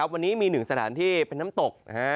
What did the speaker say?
วันนี้มีหนึ่งสถานที่เป็นน้ำตก